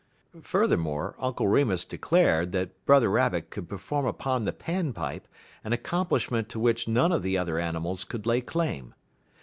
Furthermore, Uncle Remus declared that Brother Rabbit could perform upon the quills, an accomplishment to which none of the other animals could lay claim.